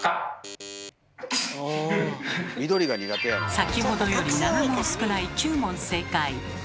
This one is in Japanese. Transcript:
先ほどより７問少ない９問正解。